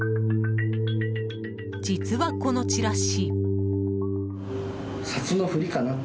実は、このチラシ。